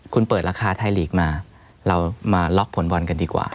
คุณเปิดราคาไทยลีกมาเรามาล็อกผลบอลกันดีกว่า